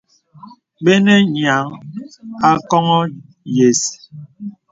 Bə nə nyéaŋ akɔŋɔ yə̀s.